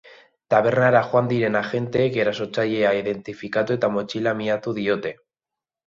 Tabernara joan diren agenteek erasotzailea identifikatu eta motxila miatu diote.